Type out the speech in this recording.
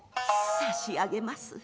「差し上げます。